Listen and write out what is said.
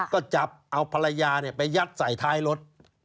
ก็จับเอาภรรยาไปยัดใส่ท้ายรถ